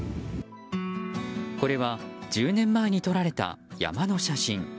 これは１０年前に撮られた山の写真。